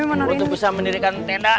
untuk bisa mendirikan tenda